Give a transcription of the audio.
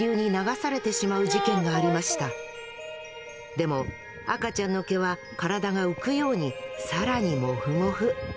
でも赤ちゃんの毛は体が浮くように更にモフモフ。